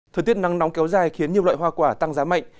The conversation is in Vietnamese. thời tiết nắng nóng kéo dài khiến nhiều loại hoa quả tăng giá mạnh